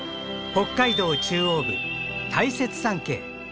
北海道中央部大雪山系。